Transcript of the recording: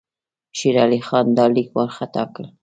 شېر علي خان دا لیک وارخطا کړ.